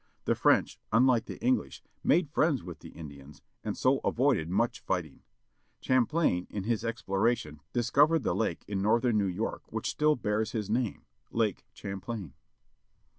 The French, unlike the English, made friends with the Indians, and so avoided much fighting. Champlain in his exploration discovered the lake in northern New York which still bears his H n ii 1 name â Lake Champlain.